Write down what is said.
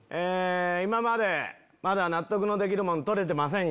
今までまだ納得のできるもの撮れてませんが。